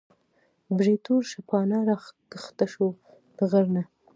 بریتور شپانه راکښته شو د غر نه